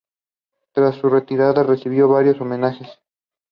Locating the origin of crop plants is basic to plant breeding.